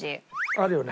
あるよね？